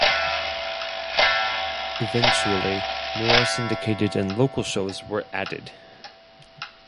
Eventually, more syndicated and local shows were added.